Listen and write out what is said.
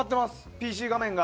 ＰＣ画面が。